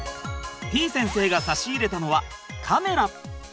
てぃ先生が差し入れたのはカメラ。